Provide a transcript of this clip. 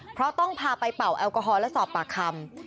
เพราะต้องพาไปเป่าแอลกอฮอลและสอบปากคำ